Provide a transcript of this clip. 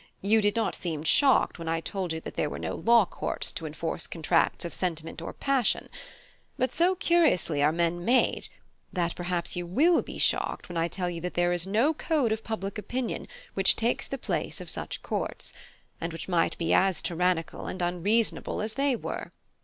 You did not seemed shocked when I told you that there were no law courts to enforce contracts of sentiment or passion; but so curiously are men made, that perhaps you will be shocked when I tell you that there is no code of public opinion which takes the place of such courts, and which might be as tyrannical and unreasonable as they were.